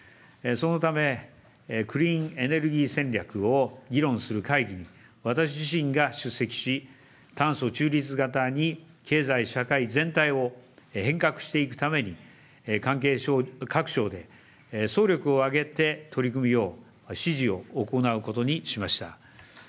そのため、クリーンエネルギー戦略を議論する会議に私自身が出席し、たんそ中立型に経済社会全体を変革していくために、関係各省で総力を挙げて取り組むよう取り組みを指示を行うことにしました。